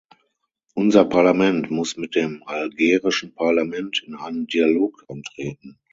Unser Parlament muss mit dem algerischen Parlament in einen Dialog eintreten.